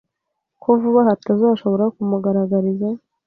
ko vuba batazashobora kumugaragariza